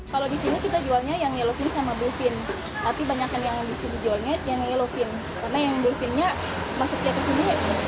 kalau di sini kita jualnya yang yellopin sama blufin tapi banyak yang di sini jualnya yang yellowin karena yang bluefinnya masuknya ke sini